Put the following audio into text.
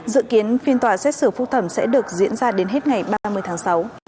dự kiến phiên tòa xét xử phúc thẩm sẽ được diễn ra đến hết ngày ba mươi tháng sáu